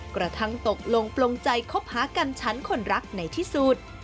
กระทั่งตกลงปลงใจคบหากันชั้นคนรักในที่สุด